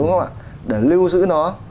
đúng không ạ để lưu giữ nó